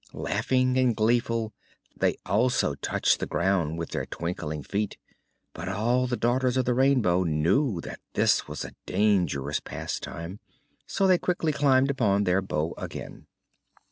Laughing and gleeful, they also touched the ground with their twinkling feet; but all the Daughters of the Rainbow knew that this was a dangerous pastime, so they quickly climbed upon their bow again.